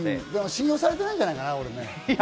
信用されてないんじゃないかな、俺ね。